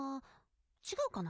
ちがうかな？